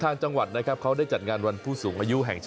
ถึงหน้าดิฉันจะแก่